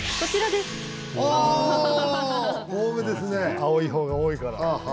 青い方が多いから。